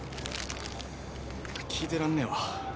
聞いてらんねえわ。